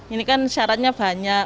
ini kan syaratnya banyak